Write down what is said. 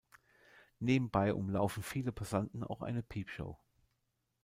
Nebenbei umlaufen viele Passanten auch eine Peepshow.